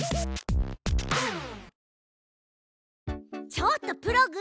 ちょっとプログ！